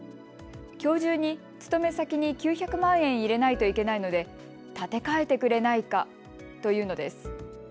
きょう中に勤め先に９００万円入れないといけないので立て替えてくれないかというのです。